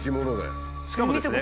しかもですね